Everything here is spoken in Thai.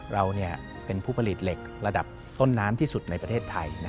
เราเป็นผู้ผลิตเหล็กระดับต้นน้ำที่สุดในประเทศไทย